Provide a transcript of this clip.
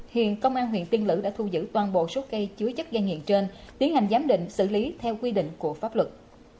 hiện công an huyện tiên lữ đã thu giữ toàn bộ số cây chứa chất gây nghiện trên tiến hành giám định xử lý theo quy định của pháp luật